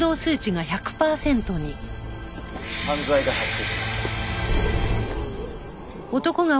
犯罪が発生しました。